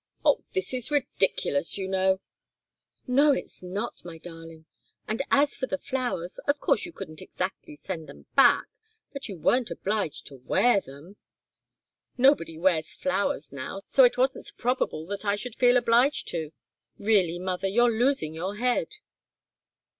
"Oh, this is ridiculous, you know!" "No, it's not, my darling! And as for the flowers, of course you couldn't exactly send them back, but you weren't obliged to wear them." "Nobody wears flowers now, so it wasn't probable that I should feel obliged to. Really, mother, you're losing your head!"